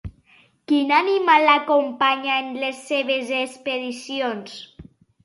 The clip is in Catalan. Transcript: Quin animal l'acompanya en les seves expedicions?